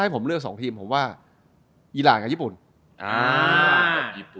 ผมเลือก๒ทีมผมว่าอีรานกับญี่ปุ่น